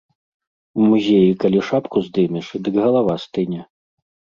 У музеі калі шапку здымеш, дык галава стыне.